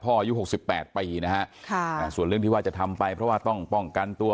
อายุ๖๘ปีนะฮะส่วนเรื่องที่ว่าจะทำไปเพราะว่าต้องป้องกันตัว